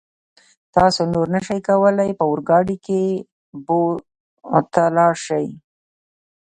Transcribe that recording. تاسو نور نشئ کولای په اورګاډي کې بو ته لاړ شئ.